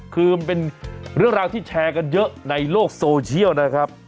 คือมันเป็นเรื่องราวที่แชร์กันเยอะในโลกโซเชียลนะครับ